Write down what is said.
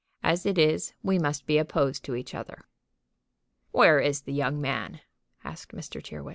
As it is we must be opposed to each other." "Where is the young man?" asked Mr. Tyrrwhit.